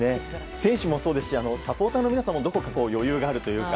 選手もそうですしサポーターの皆さんもどこか余裕があるというか。